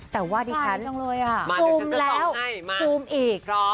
แต่ว่าดิฉันซูมแล้วซูมอีก